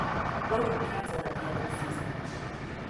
Both were cancelled at the end of the season.